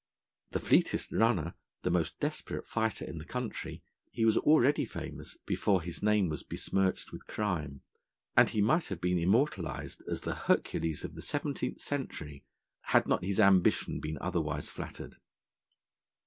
The fleetest runner, the most desperate fighter in the country, he was already famous before his name was besmirched with crime, and he might have been immortalised as the Hercules of the seventeenth century, had not his ambition been otherwise flattered.